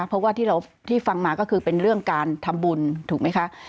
เพราะว่าที่เราที่ฟังมาก็คือเป็นเรื่องการทำบุญถูกไหมคะ